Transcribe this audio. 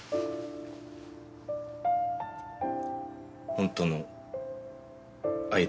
本当の愛だ。